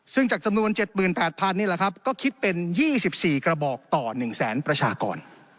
ซึ่งจากจำนวน๗๘๐๐นี่แหละครับก็คิดเป็น๒๔กระบอกต่อ๑แสนประชากร